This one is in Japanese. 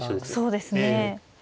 そうですね。